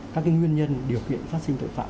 các nguyên nhân điều khiển phát sinh tội phạm